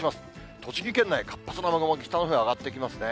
栃木県内、活発な雨雲が北のほうへ上がってきますね。